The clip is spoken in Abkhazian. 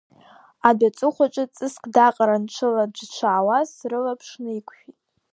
Адәы аҵыхәаҿы ҵыск даҟараны ҽыла аӡәы дшаауаз рылаԥш наиқәшәеит.